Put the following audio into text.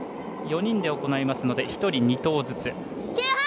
４人で行いますので１人２投ずつ。